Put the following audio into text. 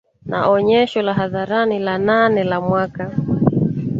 Na onyesho la hadharani la nane la mwaka